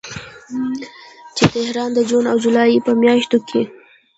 چې تهران د جون او جولای په میاشتو کې